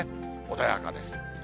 穏やかです。